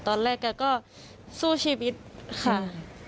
แกก็สู้ชีวิตค่ะ